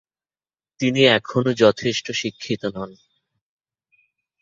তিনি এখনও যথেষ্ট শিক্ষিত নন।